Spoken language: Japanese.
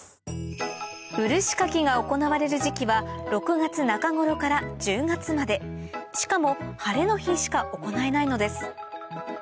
漆掻きが行われる時期は６月中頃から１０月までしかも晴れの日しか行えないのです